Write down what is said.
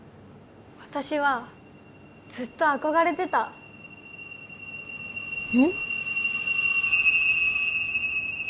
私はずっと憧れてたうん？